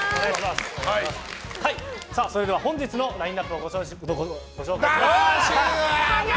それでは本日のラインアップをごしょ。